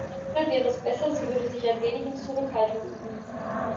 Manchmal wäre es besser, sie würde sich ein wenig in Zurückhaltung üben.